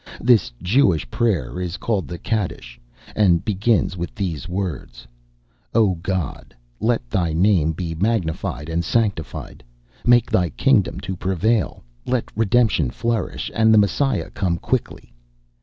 This Jewish prayer is called the Kadish, and begins with these words: "Oh! God! let thy name be magnified and sanctified; make thy kingdom to prevail; let redemption flourish, and the Messiah come quickly!"